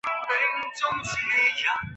入职必修课